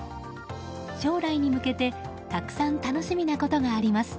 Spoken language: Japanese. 将来に向けてたくさん楽しみなことがあります。